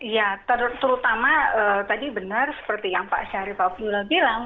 ya terutama tadi benar seperti yang pak syarif abdullah bilang